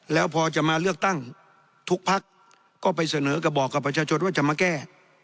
แล้วพอจะมาเลือกตั้งทุกพักก็ไปเสนอกระบอกกับประชาชนว่าจะมาแก้